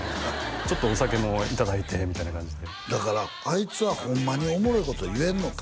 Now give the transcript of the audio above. ちょっとお酒もいただいてみたいな感じでだからあいつはホンマにおもろいことを言えんのか？